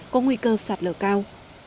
có nguy cơ sạt lở cao